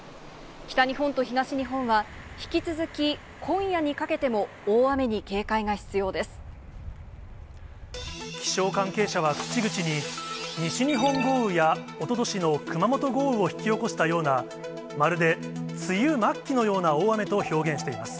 北日本と東日本は、引き続き今夜にかけても、大雨に警戒が必要で気象関係者は口々に、西日本豪雨やおととしの熊本豪雨を引き起こしたような、まるで梅雨末期のような大雨と表現しています。